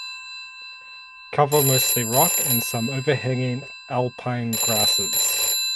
Cover mostly rock and some overhanging alpine grasses.